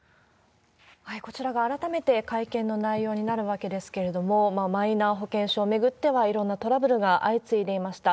こちらが、改めて会見の内容になるわけですけれども、マイナ保険証を巡ってはいろんなトラブルが相次いでいました。